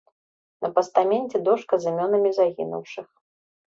На пастаменце дошка з імёнамі загінуўшых.